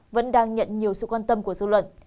vẫn đang nhận nhiều sự quan tâm của dư luận